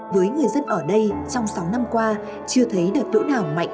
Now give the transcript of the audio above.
với người dân ở đây trong sáu năm qua chưa thấy đợt lũ nào mạnh